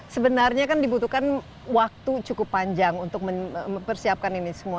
sebenarnya kan dibutuhkan waktu cukup panjang untuk mempersiapkan ini semua